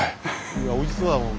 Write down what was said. いやおいしそうだもん。